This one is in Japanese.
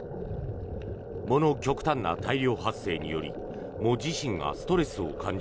藻の極端な大量発生により藻自身がストレスを感じ